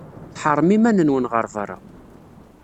Tḥeṛṛem iman-nwen ɣer beṛṛa.